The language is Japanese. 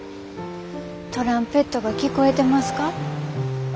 トランペットが聴こえてますか？